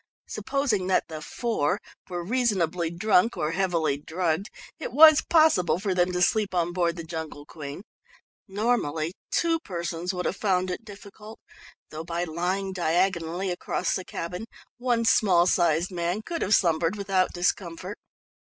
Supposing that the "four" were reasonably drunk or heavily drugged, it was possible for them to sleep on board the Jungle Queen. Normally two persons would have found it difficult, though by lying diagonally across the "cabin" one small sized man could have slumbered without discomfort.